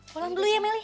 pulang dulu ya meli